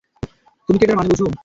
তুমি কি এটার মানে বুঝো?